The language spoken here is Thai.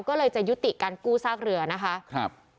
ก็เลยจะยุติการกู้ซากเรือนะคะครับ